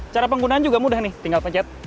cara penggunaan juga mudah nih tinggal pecet